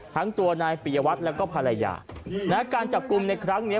ทั้งตัวนายปิยวัตรแล้วก็ภรรยานะฮะการจับกลุ่มในครั้งนี้